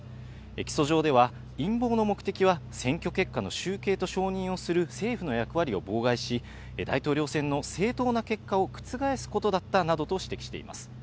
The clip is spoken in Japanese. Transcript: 起訴状では、陰謀の目的は選挙結果の集計と承認をする政府の役割を妨害し、大統領選の正当な結果を覆すことだったなどと指摘しています。